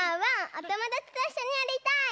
おともだちといっしょにやりたい！